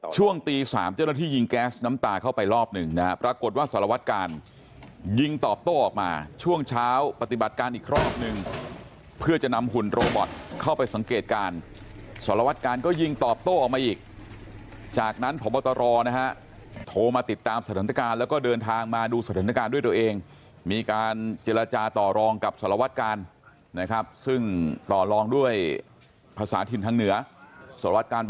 ช่วงตีสามเจ้าหน้าที่ยิงแก๊สน้ำตาเข้าไปรอบหนึ่งนะครับปรากฏว่าสรวจการณ์ยิงตอบโต้ออกมาช่วงเช้าปฏิบัติการอีกรอบหนึ่งเพื่อจะนำหุ่นโรบอทเข้าไปสังเกตการณ์สรวจการณ์ก็ยิงตอบโต้ออกมาอีกจากนั้นพระบัตรรอนะฮะโทรมาติดตามสถานการณ์แล้วก็เดินทางมาดูสถานการณ์ด้วยตัวเองมีการเจร